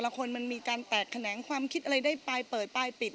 ว่าจักรวาลคีย์เบิร์ดของแต่ละคนมันมีการแตกแขนงความคิดอะไรได้ปลายเปิดปลายปิด